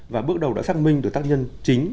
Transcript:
và bước đầu đã xác minh được tác nhân chính